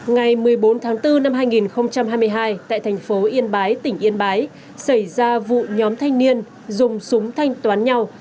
ngày một mươi bốn tháng bốn năm hai nghìn hai mươi hai tại thành phố yên bái tỉnh yên bái xảy ra vụ nhóm thanh niên dùng súng thanh toán nhau